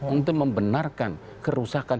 untuk membenarkan kerusakan